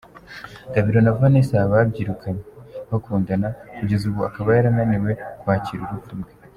Gabiro na Vanessa babyirukanye, bakundana kugeza ubu akaba yarananiwe kwakira urupfu rwe.